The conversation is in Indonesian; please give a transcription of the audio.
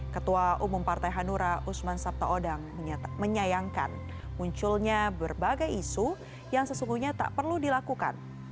ketua umum partai hanura usman sabtaodang menyayangkan munculnya berbagai isu yang sesungguhnya tak perlu dilakukan